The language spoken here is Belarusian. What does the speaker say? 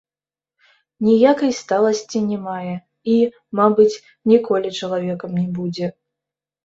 Ніякай сталасці не мае і, мабыць, ніколі чалавекам не будзе.